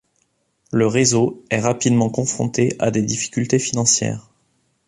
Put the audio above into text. Le réseau est rapidement confronté à des difficultés financières.